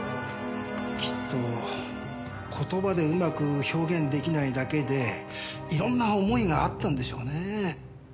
きっと言葉でうまく表現出来ないだけで色んな思いがあったんでしょうねえ。